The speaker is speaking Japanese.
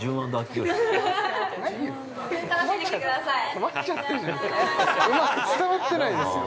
◆困っちゃってるじゃないですか。